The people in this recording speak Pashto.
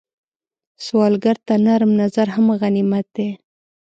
سوالګر ته نرم نظر هم غنیمت دی